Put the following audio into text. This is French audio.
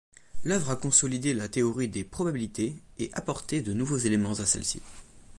L'œuvre a consolidé la théorie des probabilités et apporté de nouveaux éléments à celle-ci.